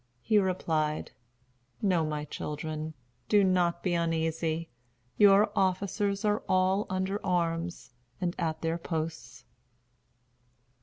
He replied: "No, my children. Do not be uneasy. Your officers are all under arms, and at their posts."